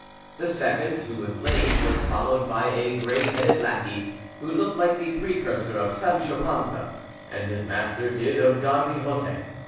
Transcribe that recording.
The second, who was lame, was followed by a gray headed lackey, who looked like the precursor of Sancho Panza, as his master did of Don Quixote.